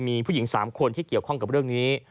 มีผู้หญิง๓คนที่เกี่ยวข้องกับเรื่องนี้